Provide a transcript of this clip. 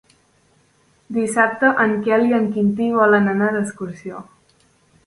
Dissabte en Quel i en Quintí volen anar d'excursió.